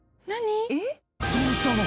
どうしたの？